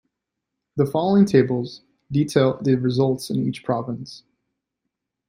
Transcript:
The following tables detail the results in each province.